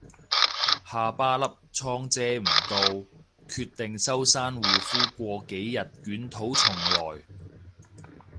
下巴粒瘡遮唔到，決定收山護膚過幾日捲土重來